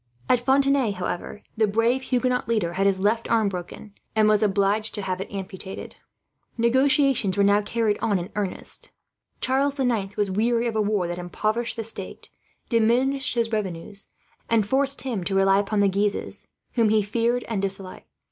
At Fontenay, however, the brave Huguenot leader had his left arm broken, and was obliged to have it amputated. Negotiations were now being carried on in earnest. Charles the Ninth was weary of a war that impoverished the state, diminished his revenues, and forced him to rely upon the Guises, whom he feared and disliked.